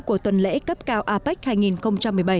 của tuần lễ cấp cao apec hai nghìn một mươi bảy